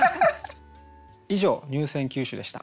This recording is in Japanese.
以上入選九首でした。